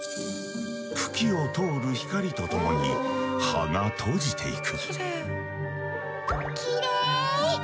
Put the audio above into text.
茎を通る光とともに葉が閉じていく。